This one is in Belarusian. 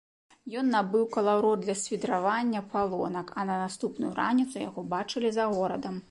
Ён набыў калаўрот для свідравання палонак, а на наступную раніцу яго бачылі за горадам.